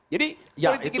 jadi boleh dikirain